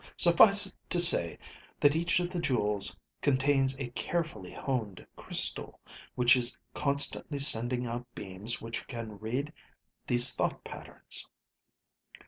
Suffice it to say that each of the jewels contains a carefully honed crystal which is constantly sending out beams which can read these thought patterns.